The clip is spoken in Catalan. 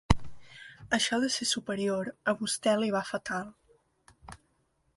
Això de ser superior, a vostè li va fatal.